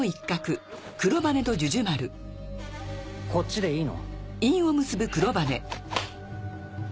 こっちでいいの？